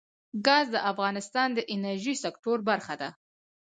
ګاز د افغانستان د انرژۍ سکتور برخه ده.